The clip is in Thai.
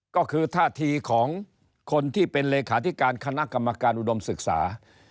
ก็คือท่าทีของคนที่เป็นเลขาธิการคณะกรรมการอุดมศึกษา